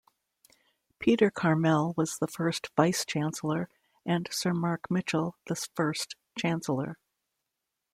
Peter Karmel was the first Vice-Chancellor and Sir Mark Mitchell the first Chancellor.